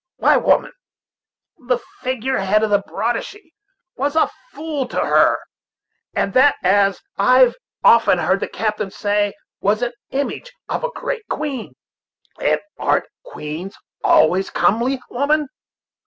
Why, woman, the figure head of the Boadishey was a fool to her, and that, as I've often heard the captain say, was an image of a great queen; and arn't queens always comely, woman?